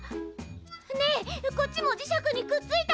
ねえこっちも磁石にくっついた！